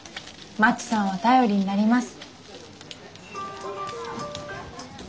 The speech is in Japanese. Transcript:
まちさんは頼りになります。